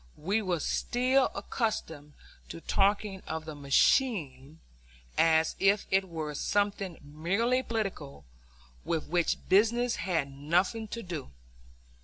We were still accustomed to talking of the "machine" as if it were something merely political, with which business had nothing to do.